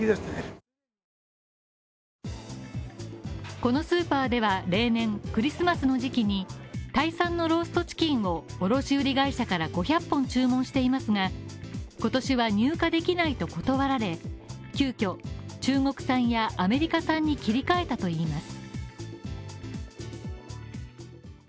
このスーパーでは例年、クリスマスの時期にタイ産のローストチキンを卸売会社から５００本注文していますが今年は入荷できないと断られ、急遽、中国産やアメリカ産に切り替えたといいます。